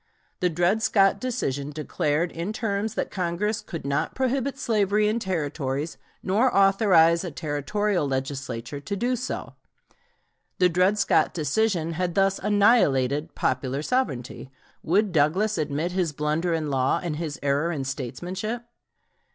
The Dred Scott decision declared in terms that Congress could not prohibit slavery in Territories nor authorize a Territorial Legislature to do so. The Dred Scott decision had thus annihilated "popular sovereignty," Would Douglas admit his blunder in law, and his error in statesmanship?